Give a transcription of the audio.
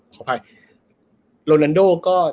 ขออภัยโรนันโดก็